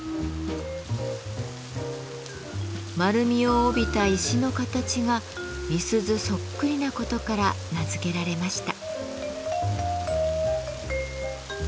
丸みを帯びた石の形が瓶子そっくりなことから名付けられました。